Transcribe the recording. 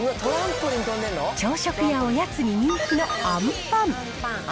朝食やおやつに人気のあんパン。